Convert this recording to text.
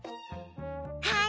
はい。